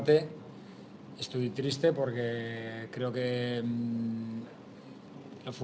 fusilis harus memberikan imajen